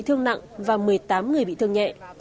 thương nặng và một mươi tám người bị thương nhẹ